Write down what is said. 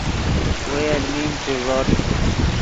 وئے المین چے ݱوت